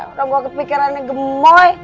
orang buat kepikirannya kemoy